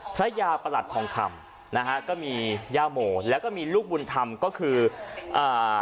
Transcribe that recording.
พระยาประหลัดทองคำนะฮะก็มีย่าโมแล้วก็มีลูกบุญธรรมก็คืออ่า